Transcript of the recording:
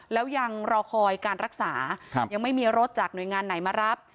แล้วยังรอคอยการรักษายังไม่มีรถจากหน่วยงานไหนมารับ